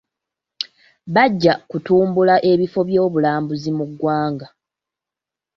Bajja kutumbula ebifo byobulambuzi mu Uganda.